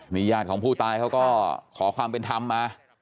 นี่ญาติของผู้ตายเขาก็ขอความเป็นธรรมมา